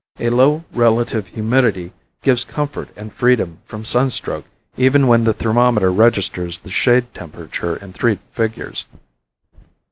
A low relative humidity gives comfort and freedom from sunstroke even when the thermometer registers the shade temperature in three figures.